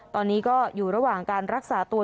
ตอนนี้ก็อยู่ระหว่างการรักษาตัว